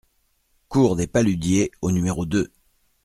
Cour des Paludiers au numéro deux